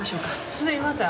すいません。